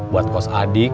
buat kos adik